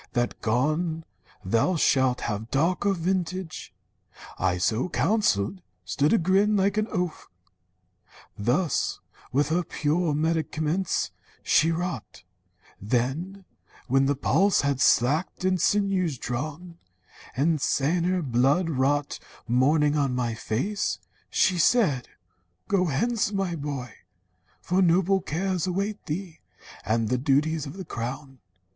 That gone, thou shalt have darker vintage.' I, So counselled, stood a grin like any oaf. "Thus with her pure medicaments she wrought; 36 THE FOREST MOTHER Then, when: the pulse had slacked and sinews drawn, And saner blood wrought morning on my face, She said: 'Go hence, my boy, for noble cares Await thee, and the duties of the crown.